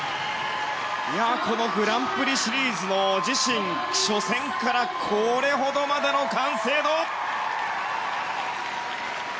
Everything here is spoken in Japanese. このグランプリシリーズの自身初戦からこれほどまでの完成度。